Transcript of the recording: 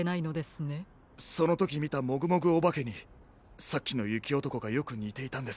そのときみたもぐもぐおばけにさっきのゆきおとこがよくにていたんです。